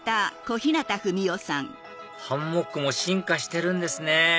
ハンモックも進化してるんですね